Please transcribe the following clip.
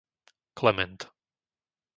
Klement